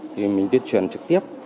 thì mình tuyên truyền trực tiếp